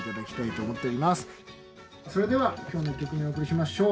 それでは今日の１曲目お送りしましょう。